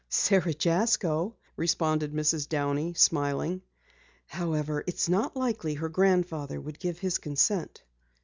"Sara Jasko," responded Mrs. Downey, smiling. "However, it's not likely her grandfather would give his consent."